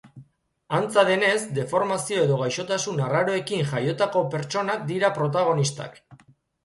Antza denez, deformazio edo gaixotasun arraroekin jaiotako pertsonak dira protagonistak.